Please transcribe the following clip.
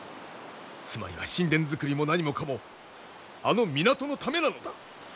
つまりは神殿づくりも何もかもあの港のためなのだ！